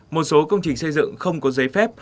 một số công trình xây dựng không có giấy phép